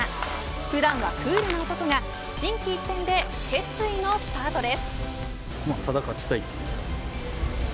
普段はクールな男が心機一転で決意のスタートです。